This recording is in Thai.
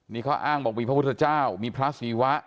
นี่เขาอ้างบอกมีพระพุทธเจ้ามีพระศีวะ